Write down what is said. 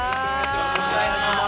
よろしくお願いします。